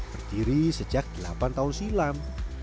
berdiri sejak delapan tahun silam